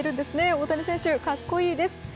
大谷選手、格好いいです！